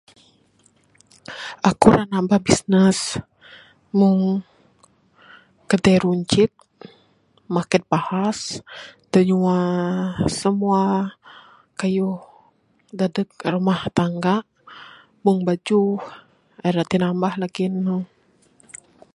Aku nambah bisnes rak meng kade runcit, market bahas dk nyuwa simua kayuh dadeg rumah tangga meng bajuh en tinamah lagi ne